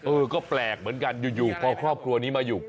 เออก็แปลกเหมือนกันอยู่พอครอบครัวนี้มาอยู่